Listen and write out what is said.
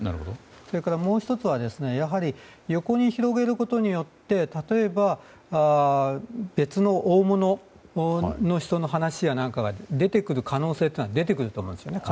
それからもう１つはやはり横に広げることによって例えば別の大物の人の話や何かが可能性として出てくると思うんです。